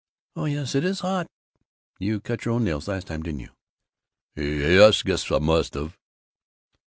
"Oh, yes, it is hot. You cut your own nails, last time, didn't you!" "Ye es, guess I must've."